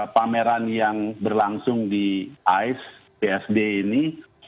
pameran yang berlangsung di ais psb ini